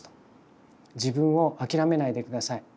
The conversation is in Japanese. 「自分を諦めないで下さい。